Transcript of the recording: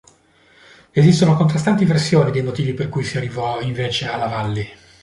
Esistono contrastanti versioni dei motivi per cui si arrivò invece alla Valli.